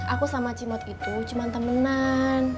aku sama cimot itu cuma temenan